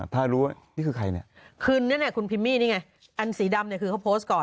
ถ้ารู้ว่านี่คือใครเนี่ยคือนั่นเนี่ยคุณพิมมี่นี่ไงอันสีดำเนี่ยคือเขาโพสต์ก่อน